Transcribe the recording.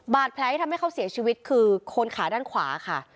แผลที่ทำให้เขาเสียชีวิตคือโคนขาด้านขวาค่ะ